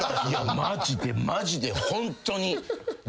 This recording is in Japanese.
マジでマジでホントに。